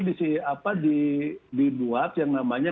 dibuat yang namanya